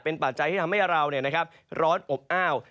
เป็นปัจจัยที่ทำให้เราเนี่ยนะครับร้อนอบอ้าว